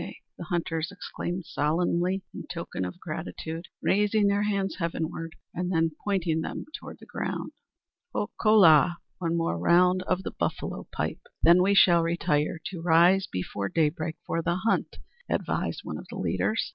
the hunters exclaimed solemnly in token of gratitude, raising their hands heavenward and then pointing them toward the ground. "Ho, kola! one more round of the buffalo pipe, then we shall retire, to rise before daybreak for the hunt," advised one of the leaders.